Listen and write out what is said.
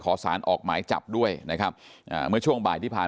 สารออกหมายจับด้วยนะครับอ่าเมื่อช่วงบ่ายที่ผ่าน